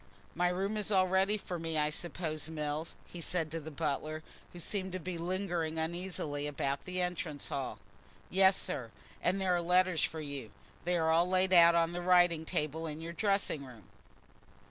"My room is all ready for me, I suppose, Mills?" he said to the butler, who seemed to be lingering uneasily about the entrance hall. "Yes, sir, and there are letters for you; they are all laid on the writing table in your dressing room."